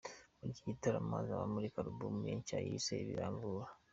Muri iki gitaramo azaba amurika album ye nshya yise 'Biramvura'.